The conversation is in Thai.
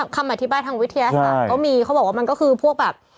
คำอธิบายทางวิทยาศาสตร์ก็มีเขาบอกว่ามันก็คือพวกแบบ